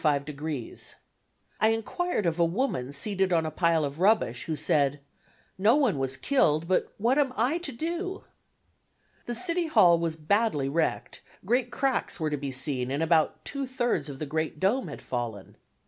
I enquired of a woman seated on a pile of rubbish, who said "no one was killed, but what am I to do?" The City Hall was badly wrecked, great cracks were to be seen and about two thirds of the great dome had fallen.